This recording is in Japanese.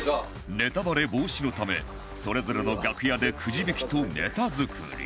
ネタバレ防止のためそれぞれの楽屋でクジ引きとネタ作り